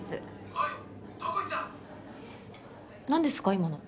今の。